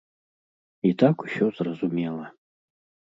І так усё зразумела.